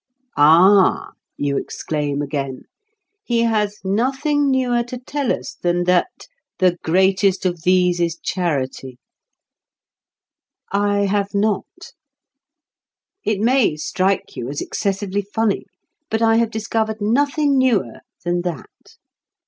"Ah!" you exclaim again, "he has nothing newer to tell us than that 'the greatest of these is charity'!" I have not. It may strike you as excessively funny, but I have discovered nothing newer than that.